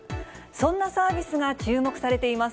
そんなサービスが注目されています。